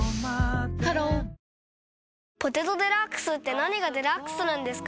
ハロー「ポテトデラックス」って何がデラックスなんですか？